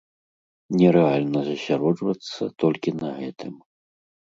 Нерэальна засяроджвацца толькі на гэтым.